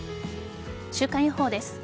週間予報です。